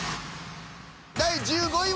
第１５位は。